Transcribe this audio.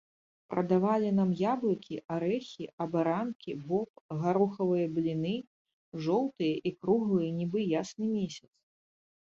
Прадавалі нам яблыкі, арэхі, абаранкі, боб, гарохавыя бліны, жоўтыя і круглыя, нібы ясны месяц.